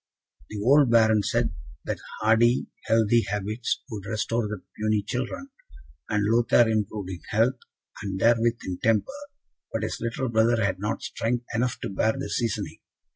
The old Baron said that hardy, healthy habits would restore the puny children; and Lothaire improved in health, and therewith in temper; but his little brother had not strength enough to bear the seasoning.